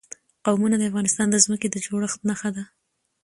قومونه د افغانستان د ځمکې د جوړښت نښه ده.